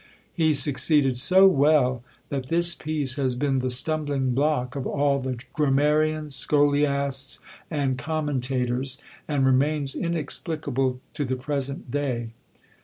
He succeeded so well, that this piece has been the stumbling block of all the grammarians, scholiasts, and commentators; and remains inexplicable to the present day.